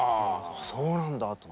そうなんだって。